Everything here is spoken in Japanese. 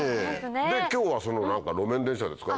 今日は路面電車ですか？